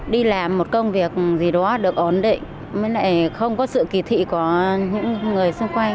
đi làm một công việc gì đó được ổn định với lại không có sự kỳ thị của những người xung quanh